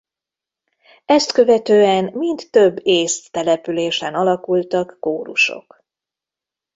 Ezt követően mind több észt településen alakultak kórusok.